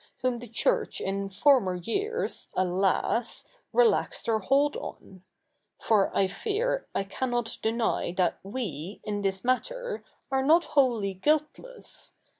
iv] THE NEW REPUBLIC 165 whom the Church in former years, alas ! relaxed her hold on. For I fear I cannot deny that we, in this matter, are not wholly guiltless.